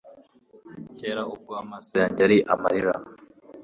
kera ubwo amaso yanjye yari amarira